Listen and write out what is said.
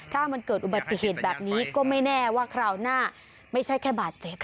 ถ้ามันเกิดอุบัติเหตุแบบนี้ก็ไม่แน่ว่าคราวหน้าไม่ใช่แค่บาดเจ็บ